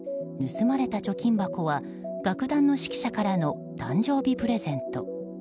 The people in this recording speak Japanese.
盗まれた貯金箱は楽団の指揮者からの誕生日プレゼント。